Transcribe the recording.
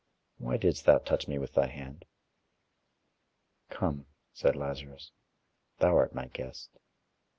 Why didst thou touch me with thy hand?" "Come" said Lazarus "Thou art my guest."